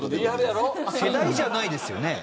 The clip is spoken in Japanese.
世代じゃないですよね。